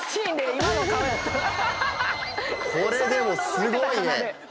これでもすごいね。